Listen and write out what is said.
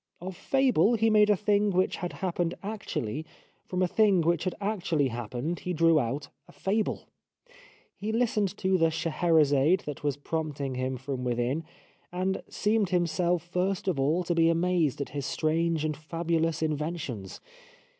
Of fable he made a thing which had happened actually, from a thing which had actually happened he drew out a fable. He listened to the Scheherazade that was prompting him from within, and seemed himself first of all to be amazed at his strange and fabulous inventions.